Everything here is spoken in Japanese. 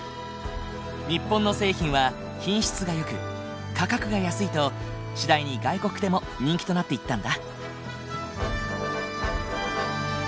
日本の製品は品質がよく価格が安いと次第に外国でも人気となっていったんだ。